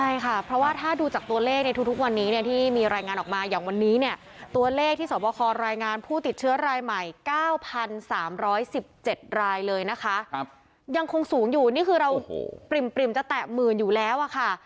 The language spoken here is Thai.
ยังคงสูงอยู่นี่คือเราปริ่มจะแตะหมื่นอยู่แล้วค่ะ